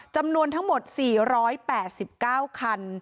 จำนวนทั้งหมด๔๘๙คัน